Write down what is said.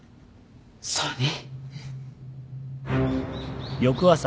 そうね。